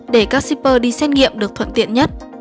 để các shipper đi xét nghiệm được thuận tiện nhất